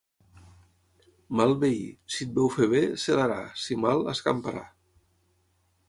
Mal veí, si et veu fer bé, celarà, si mal, escamparà.